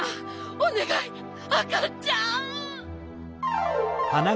おねがいあかちゃん！